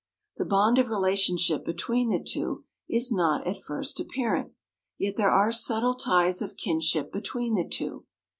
The bond of relationship between the two is not at first apparent, yet there are subtle ties of kinship between the two.